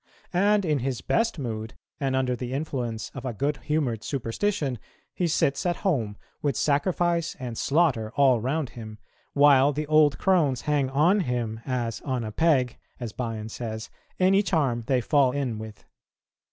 ... And in his best mood, and under the influence of a good humoured superstition, he sits at home, with sacrifice and slaughter all round him, while the old crones hang on him as on a peg, as Bion says, any charm they fall in with."